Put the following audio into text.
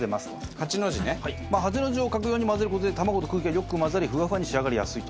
８の字を書くように混ぜる事で卵と空気がよく混ざりふわふわに仕上がりやすいと。